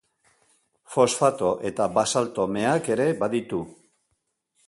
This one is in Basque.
Fosfato- eta basalto-meak ere baditu.